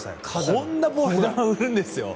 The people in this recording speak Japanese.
こんなボール振るんですよ。